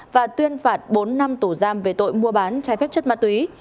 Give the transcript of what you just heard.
và tuyên phạt bốn năm tù giam về tội mua bán trái phép chất ma túy